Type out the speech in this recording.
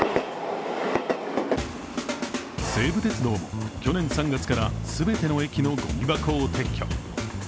西武鉄道も去年３月から全ての駅のごみ箱を撤去。